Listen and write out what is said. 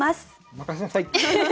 任せなさい！